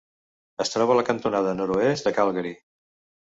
Es troba a la cantonada nord-oest de Calgary.